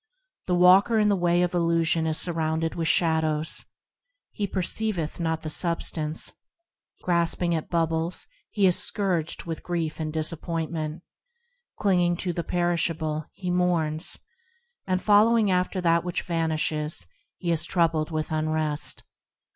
The walker in the way of illusion is surrounded with shadows; He perceiveth not the substance ; Grasping at bubbles, he is scourged with grief and disappointment; Clinging to the perishable, he mourns, And following after that which vanishes, he is troubled with unrest.